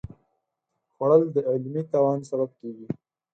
خوړل د علمي توان سبب کېږي